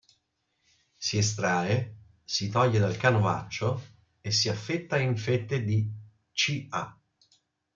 Si estrae, si toglie dal canovaccio e si affetta in fette di ca.